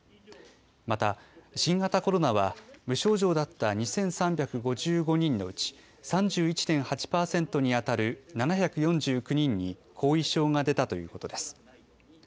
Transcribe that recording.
また、新型コロナは無症状だった２３５５人のうち３１．８％に当たる７４９人に後遺症が出たということです。